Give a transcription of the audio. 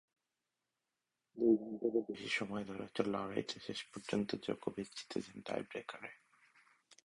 দুই ঘণ্টারও বেশি সময় ধরে চলা লড়াইটা শেষ পর্যন্ত জোকোভিচ জিতেছেন টাইব্রেকারে।